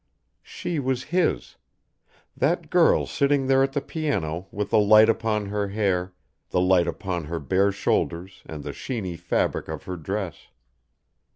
She was his, that girl sitting there at the piano with the light upon her hair, the light upon her bare shoulders and the sheeny fabric of her dress.